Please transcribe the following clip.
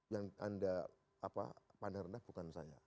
yang anda pandang rendah bukan saya